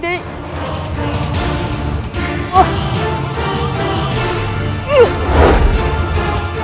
tidak tidak tidak